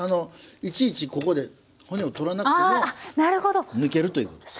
いちいちここで骨を取らなくても抜けるということです。